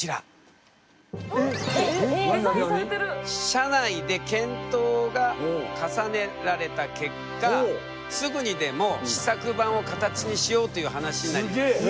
社内で検討が重ねられた結果すぐにでも試作版を形にしようという話になりました。